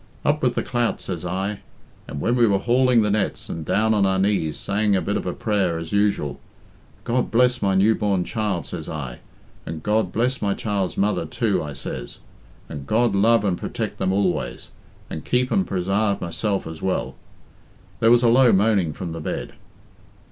'Up with the clout,' says I. And when we were hauling the nets and down on our knees saying a bit of a prayer, as usual, 'God bless my new born child,' says I, 'and God bless my child's mother, too,' I says, and God love and protect them always, and keep and presarve myself as well.'" There was a low moaning from the bed.